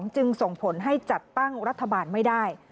จึงส่งผลให้จัดตั้งรัฐบาลไม่ได้